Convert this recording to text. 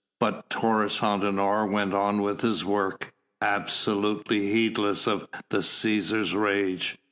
But Taurus Antinor went on with his work, absolutely heedless of the Cæsar's rage.